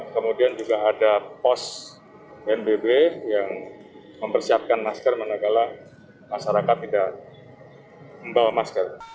kemudian juga ada pos bnbb yang mempersiapkan masker manakala masyarakat tidak membawa masker